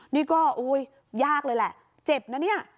นี่ก็ยากเลยแหละเจ็บนะเนี่ย